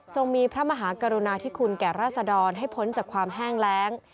มีพระมหากรุณาธิคุณแก่ราษดรให้พ้นจากความแห้งแรง